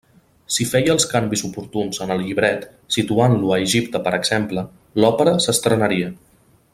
Si feia els canvis oportuns en el llibret, situant-lo a Egipte per exemple, l'òpera s'estrenaria.